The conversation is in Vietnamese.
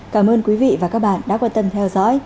cảm ơn quý vị và các bạn đã quan tâm theo dõi